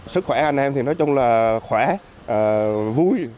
sức khỏe anh em thì nói chung là khỏe vui